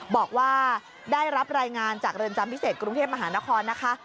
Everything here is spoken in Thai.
บอกว่าได้รับรายงานจากเรือนจำพิเศษกรุงเทพมหานครนะคะ